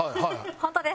本当です。